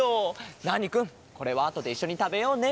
ナーニくんこれはあとでいっしょにたべようね。